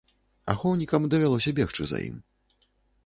Ахоўнікам давялося бегчы за ім.